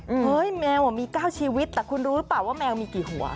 เฮ้ยแมวมี๙ชีวิตแต่คุณรู้หรือเปล่าว่าแมวมีกี่หัว